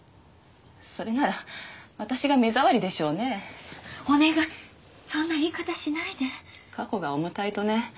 それなら私が目障りでしょうねお願いそんな言い方しないで過去が重たいとね